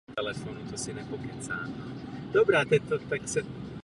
V rámci své práce se věnuje také popularizaci v celostátních zpravodajských médiích.